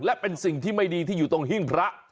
และเป็นสิ่งที่ไม่ดีที่อยู่ตรงหิ้งพระ